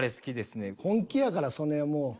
本気やから曽根はもう。